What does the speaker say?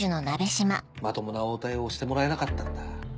まともな応対をしてもらえなかったんだ。